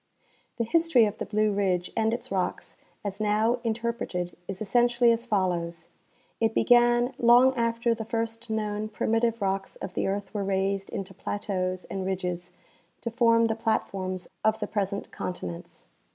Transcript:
The history of the Blue ridge and its rocks as now interpreted is essentially as follows :'^ It began long after the first known primitive rocks of the earth were raised into plateaus and ridges to form the platforms of the present continents.